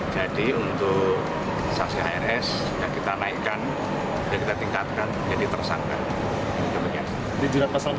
sebelumnya firza sudah ditetapkan sebagai tersangka pada enam belas mei lalu